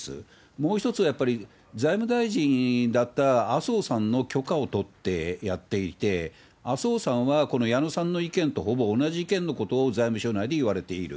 もう一つはやっぱり、財務大臣だった麻生さんの許可を取ってやっていて、麻生さんは、この矢野さんの意見とほぼ同じ意見のことを財務省内で言われている。